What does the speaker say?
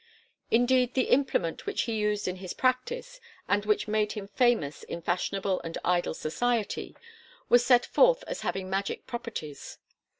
Indeed the implement which he used in his practice, and which made him famous in fashionable and idle society, was set forth as having magic properties.